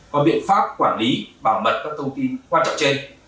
có biện pháp quản lý bảo mật các thông tin quan trọng trên